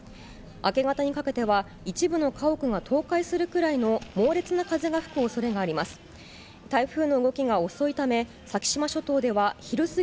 明け方にかけては、一部の家屋が倒壊するくらいの猛烈な風が吹くおそれがあります。